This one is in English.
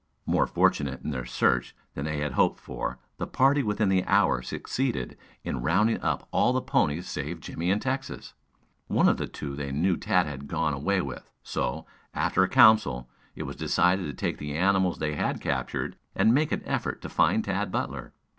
More fortunate in their search than they had hoped for, the party within the hour succeeded in rounding up all the ponies save Jimmie and Texas. One of the two they knew Tad had gone away with, so, after a council, it was decided to take the animals they had captured and make an effort to find Tad Butler.